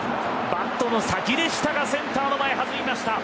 バットの先でしたがセンターの前、落ちました。